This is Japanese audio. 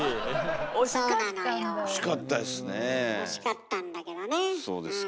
惜しかったんだけどねうん。